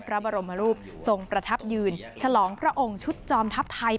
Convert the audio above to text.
พระบรมรูปทรงประทับยืนฉลองพระองค์ชุดจอมทัพไทย